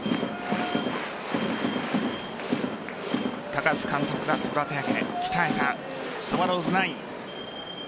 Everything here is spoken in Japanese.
高津監督が育て上げ鍛え上げたスワローズナイン。